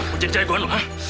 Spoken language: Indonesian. mau jadi jagoan lu ha